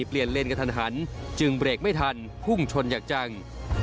เปลี่ยนเลนกันทันหันจึงเบรกไม่ทันพุ่งชนอยากจัง